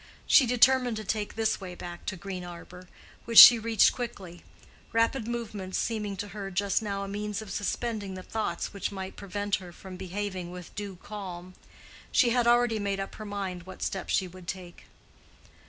She determined to take this way back to Green Arbor, which she reached quickly; rapid movements seeming to her just now a means of suspending the thoughts which might prevent her from behaving with due calm. She had already made up her mind what step she would take.